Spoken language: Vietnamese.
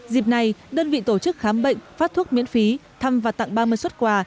dịp này đơn vị tổ chức khám bệnh phát thuốc miễn phí thăm và tặng ba mươi xuất quà